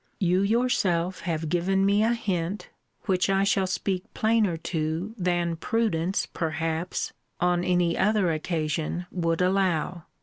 You yourself have given me a hint, which I will speak plainer to, than prudence, perhaps, on any other occasion, would allow.